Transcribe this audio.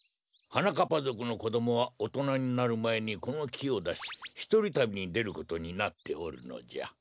はなかっぱぞくのこどもはおとなになるまえにこのきをだしひとりたびにでることになっておるのじゃ。